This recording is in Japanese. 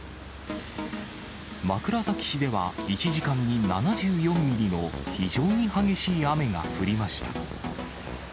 枕崎市では、１時間に７４ミリの非常に激しい雨が降りました。